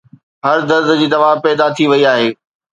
هر درد جي دوا پيدا ٿي وئي آهي